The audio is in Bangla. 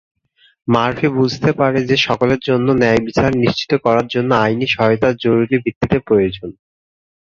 মার্ফি বুঝতে পারে যে সকলের জন্য ন্যায়বিচার নিশ্চিত করার জন্য আইনি সহায়তা জরুরি ভিত্তিতে প্রয়োজন।